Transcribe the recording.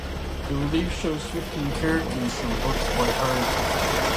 The relief shows fifteen characters from books by Harte.